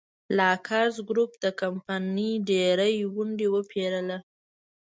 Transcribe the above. لاکزر ګروپ د کمپنۍ ډېرې ونډې وپېرله.